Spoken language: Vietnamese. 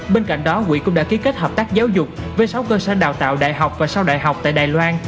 bên cạnh đó quỹ cũng đã ký kết hợp tác giáo dục với sáu cơ sở đào tạo đại học và sau đại học tại đài loan